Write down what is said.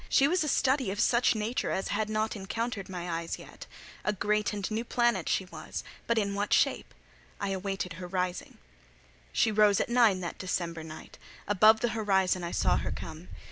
She was a study of such nature as had not encountered my eyes yet: a great and new planet she was: but in what shape? I waited her rising. She rose at nine that December night: above the horizon I saw her come.